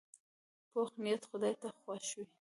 پوخ نیت خدای ته خوښ وي